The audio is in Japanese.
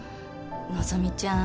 希ちゃん